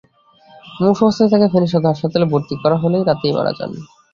মুমূর্ষু অবস্থায় তাঁকে ফেনী সদর হাসপাতালে ভর্তি করা হলে রাতেই মারা যান।